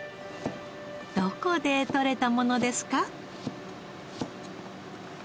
どこで採れたものですか？